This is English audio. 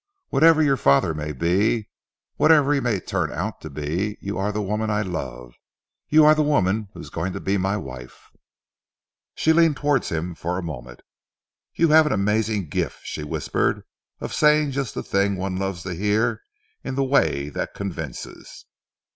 Whatever your father may be, whatever he may turn out to be, you are the woman I love you are the woman who is going to be my wife." She leaned towards him for a moment. "You have an amazing gift," she whispered, "of saying just the thing one loves to hear in the way that convinces."